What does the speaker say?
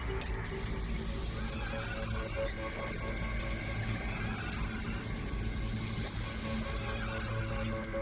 mas kenapa saya dekat dengan dia